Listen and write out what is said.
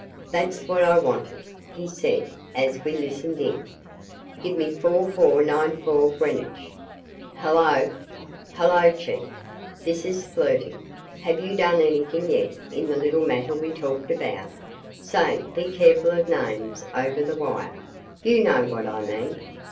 "That's what I wanted," he said as we listened in: "Give me 4494 Greenwich." "Hello." "Hello, Chief. This is Flirty. Have you done anything yet in the little matter we talked about? "Say be careful of names over the wire." "You know what I mean."